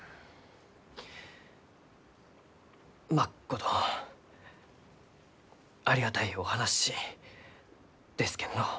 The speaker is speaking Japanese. まっことありがたいお話ですけんど。